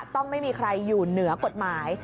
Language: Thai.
ต้องไม่มีใครอยู่เหนือกฎหมาย